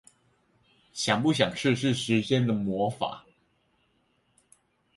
想不想試試時間的魔法